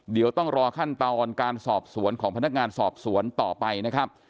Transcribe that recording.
เดี๋ยวต้องรอขั้นตอนการสอบสวนของพนักงานสอบสวนต่อไปนะครับ